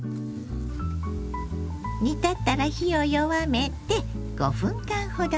煮立ったら火を弱めて５分間ほど煮ます。